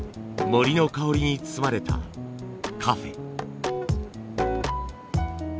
森の香りに包まれたカフェ。